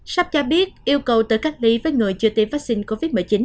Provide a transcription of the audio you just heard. sharp cho biết yêu cầu từ cách ly với người chưa tiêm vaccine covid một mươi chín